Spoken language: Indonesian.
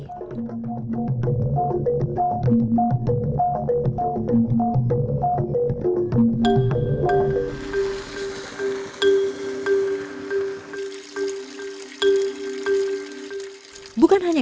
kampung bugis menunjukkan bahwa kapal berlayar